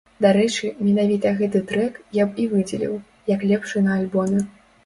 Дарэчы, менавіта гэты трэк я б і выдзеліў, як лепшы на альбоме.